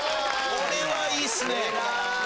これはいいですね